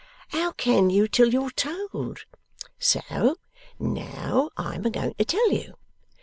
'How can you till you're told! So now I am a going to tell you.